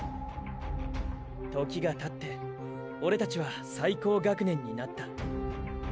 時がたってオレたちは最高学年になった。